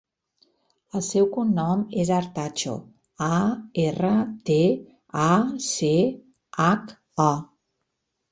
El seu cognom és Artacho: a, erra, te, a, ce, hac, o.